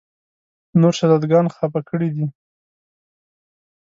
نور شهزاده ګان خپه کړي دي.